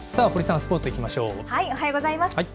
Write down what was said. おはようございます。